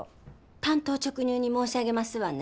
単刀直入に申し上げますわね。